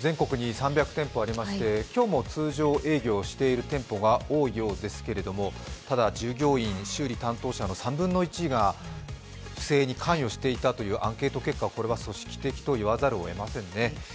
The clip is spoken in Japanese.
全国に３００店舗ありまして、今日も通常営業している店舗が多いようですけれどもただ従業員、修理担当者の３分の１が不正に関与していたというアンケート結果、これは組織的と言わざるを得ませんね。